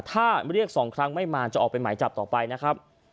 ถ้าเรียก๒ครั้งไม่มาจะออกไปหมายจับต่อไปนะครับ